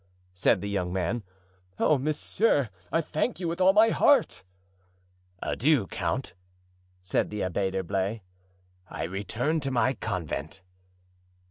said the young man. "Oh, monsieur, I thank you with all my heart." "Adieu, count," said the Abbé d'Herblay; "I return to my convent."